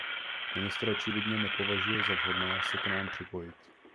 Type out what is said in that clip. Ministr očividně nepovažuje za vhodné s k nám připojit.